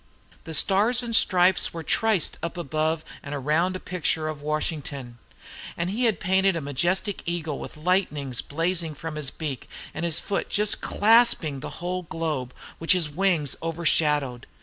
The stars and stripes were triced up above and around a picture of Washington, and he had painted a majestic eagle, with lightnings blazing from his beak and his foot just clasping the whole globe, which his wings overshadowed.